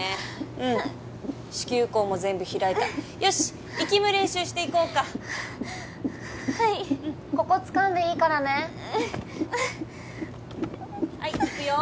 うん子宮口も全部開いたよしいきむ練習していこうかはいここつかんでいいからねはいいくよ